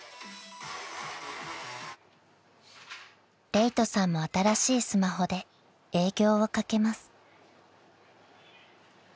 ［礼人さんも新しいスマホで営業をかけます］